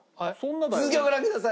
続きをご覧ください。